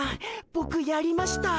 ボクやりました。